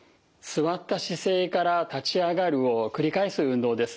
座った姿勢から立ち上がるを繰り返す運動です。